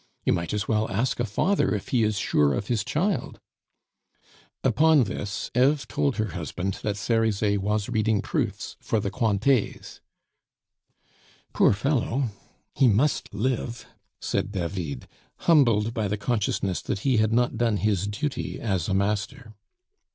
You might as well ask a father if he is sure of his child." Upon this, Eve told her husband that Cerizet was reading proofs for the Cointets. "Poor fellow! he must live," said David, humbled by the consciousness that he had not done his duty as a master.